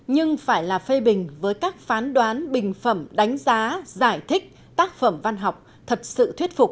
nhưng phải là phê bình với các phán đoán bình phẩm đánh giá giải thích tác phẩm văn học thật sự thuyết phục